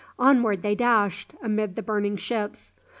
Onward they dashed, amid the burning ships.